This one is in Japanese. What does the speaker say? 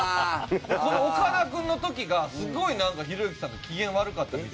この岡田君の時がすごいなんかひろゆきさんが機嫌悪かったみたいで。